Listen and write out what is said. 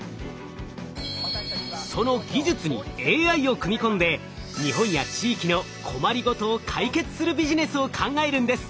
その技術にＡＩを組み込んで日本や地域の困り事を解決するビジネスを考えるんです。